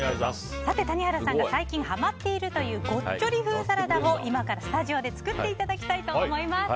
谷原さんが最近はまっているというゴッチョリ風サラダを今からスタジオで作っていただきたいと思います。